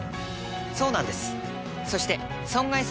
そうなんです。